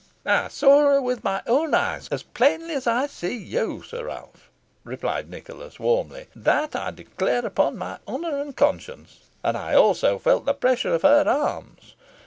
"I saw her with my own eyes as plainly as I see you, Sir Ralph," replied Nicholas, warmly; "that I declare upon my honour and conscience, and I also felt the pressure of her arms.